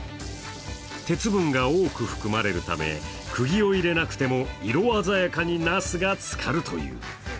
鉄分が多く含まれるためくぎを入れなくても色鮮やかになすが漬かるという。